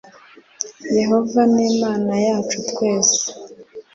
yehova n imana yacu twese